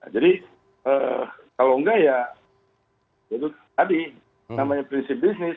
jadi kalau enggak ya itu tadi namanya prinsip bisnis